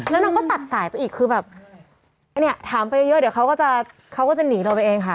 แล้วนางก็ตัดสายไปอีกคือแบบเนี่ยถามไปเยอะเดี๋ยวเขาก็จะเขาก็จะหนีเราไปเองค่ะ